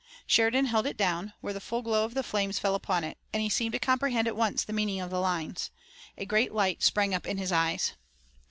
Sheridan held it down, where the full glow of the flames fell upon it, and he seemed to comprehend at once the meaning of the lines. A great light sprang up in his eyes.